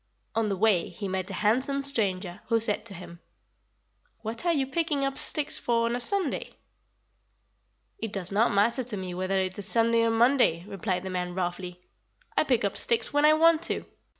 On the way he met a handsome stranger, who said to him: "'What are you picking up sticks for on Sunday?' "'It does not matter to me whether it is Sunday or Monday,' replied the man roughly. 'I pick up sticks when I want to.'